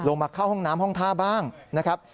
มาเข้าห้องน้ำห้องท่าบ้างนะครับ